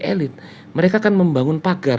elit mereka akan membangun pagar